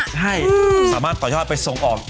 ใช่สามารถต่อยอดไปส่งออก